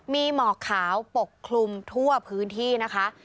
มีหมอกขาวปกคลุมทั่วพื้นที่นะคะ